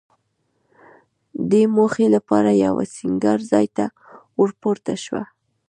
دې موخې لپاره یوه سینګار ځای ته ورپورته شوه.